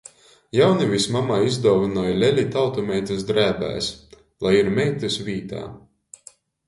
Jaunivis mamai izduovynoj leli tautumeitys drēbēs, lai ir meitys vītā.